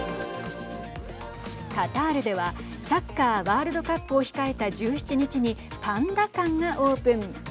カタールではサッカーワールドカップを控えた１７日にパンダ館がオープン。